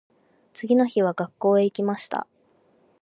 次の日は学校へ行きました。